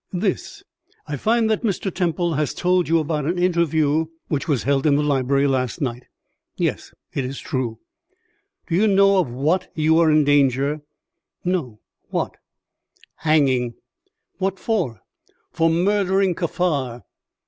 "This. I find that Mr. Temple has told you about an interview which was held in the library last night." "Yes; it is true." "Do you know of what you are in danger?" "No what?" "Hanging." "What for?" "For murdering Kaffar."